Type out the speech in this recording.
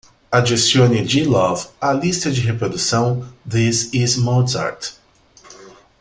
Adicione g love à lista de reprodução This Is Mozart.